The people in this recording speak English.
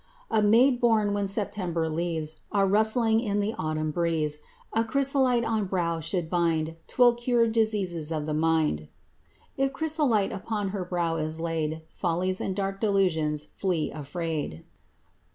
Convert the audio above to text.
A maid born when September leaves Are rustling in the autumn breeze, A chrysolite on brow should bind— 'Twill cure diseases of the mind. If chrysolite upon her brow is laid, Follies and dark delusions flee afraid.